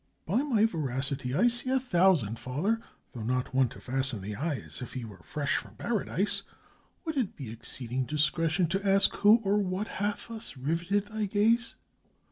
" By my veracity, I see a thousand, father, though not one to fasten the eye as if he were fresh from Paradise. Would it be exceeding discretion to ask who or what hath thus riveted thy gaze?"